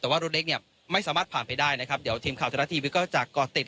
แต่ว่ารถเล็กเนี่ยไม่สามารถผ่านไปได้นะครับเดี๋ยวทีมข่าวทะละทีวีก็จะก่อติด